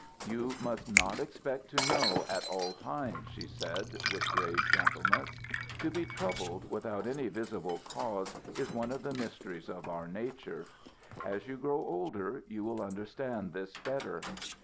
"You must not expect to know at all times," she said, with grave gentleness. "To be troubled without any visible cause is one of the mysteries of our nature. As you grow older you will understand this better.